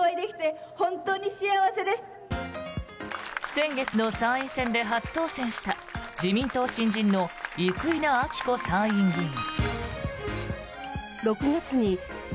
先月の参院選で初当選した自民党新人の生稲晃子参院議員。